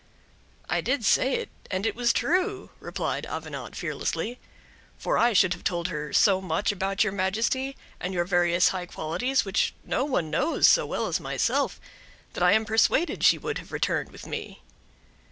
"I did say it, and it was true," replied Avenant fearlessly; "for I should have told her so much about your majesty and your various high qualities, which no one knows so well as myself, that I am persuaded she would have returned with me."